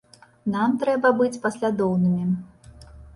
Нам трэба быць паслядоўнымі.